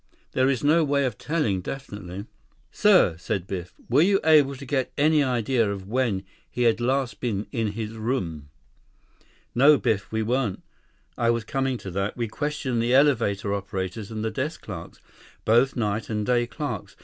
There was no way of telling definitely." "Sir," Biff said. "Were you able to get any idea of when he had last been in his room?" "No, Biff. We weren't. I was coming to that. We questioned the elevator operators and the desk clerks. Both night and day clerks.